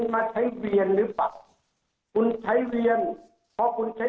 คำถามเดียวมั่นใจว่าจะถึงต้นต่อไหม